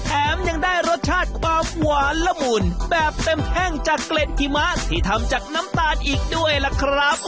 ยังได้รสชาติความหวานละมุนแบบเต็มแท่งจากเกล็ดหิมะที่ทำจากน้ำตาลอีกด้วยล่ะครับ